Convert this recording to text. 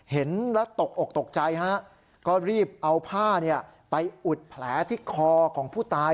เห็นแล้วตกอกตกใจฮะก็รีบเอาผ้าไปอุดแผลที่คอของผู้ตาย